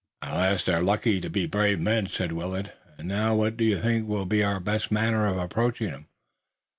"At least they're likely to be brave men," said Willet, "and now what do you think will be our best manner of approaching 'em?"